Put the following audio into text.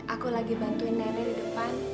aku lagi bantuin nenek di depan